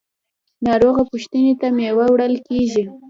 ناروغه پوښتنې ته میوه وړل کیږي.